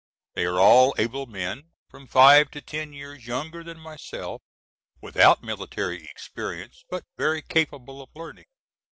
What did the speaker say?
They are all able men, from five to ten years younger than myself, without military experience but very capable of learning.